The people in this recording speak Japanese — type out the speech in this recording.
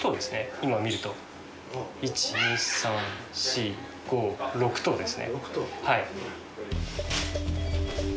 今見ると１２３４５６頭ですね